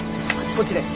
こっちです。